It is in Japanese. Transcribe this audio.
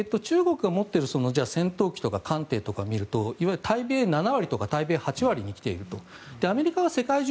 中国が持っている戦闘機とか艦艇とかを見ると対米７割とか対米８割に来ていると。